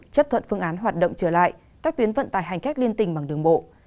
chấp thuận phương án hoạt động trở lại các tuyến vận tải hành khách liên tình bằng đường bộ